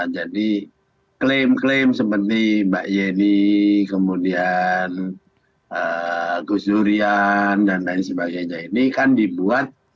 jadi klaim klaim seperti mbak yeni kemudian gus durian dan lain sebagainya ini kan dibuat